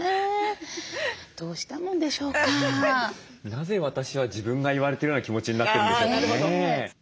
なぜ私は自分が言われてるような気持ちになってるんでしょうかね。